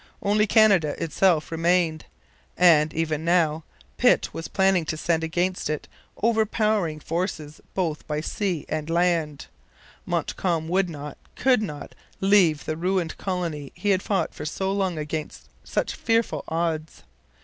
Only Canada itself remained; and, even now, Pitt was planning to send against it overpowering forces both by sea and land. Montcalm would not, could not, leave the ruined colony he had fought for so long against such fearful odds.